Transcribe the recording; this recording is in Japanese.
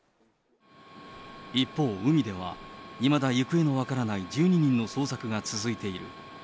一方、海ではいまだ行方の分からない１２人の捜索が続いている。